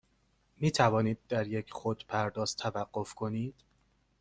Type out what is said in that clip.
می توانید در یک خودپرداز توقف کنید؟